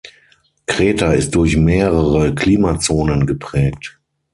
Kreta ist durch mehrere Klimazonen geprägt.